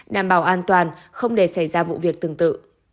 đảm bảo an toàn không để xảy ra vụ việc tương tự